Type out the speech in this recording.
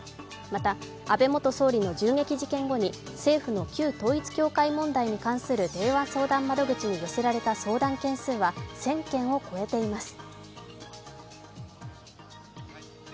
また安倍元総理の銃撃事件後に政府の旧統一教会問題に関する電話相談窓口に寄せられた相談件数は１０００件を超えています。